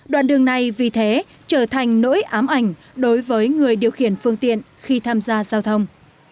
đoạn đường này vì thế trở thành nỗi ám ảnh đối với người điều khiển phương tiện khi tham gia giao thông